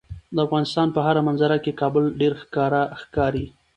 د افغانستان په هره منظره کې کابل ډیر ښکاره ښکاري.